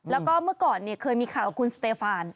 แล้วก็เมื่อก่อนเคยมีข่าวกับคุณสเตฟาน